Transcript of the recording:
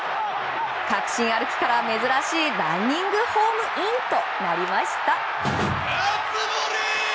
確信歩きから、珍しいランニングホームインとなりました。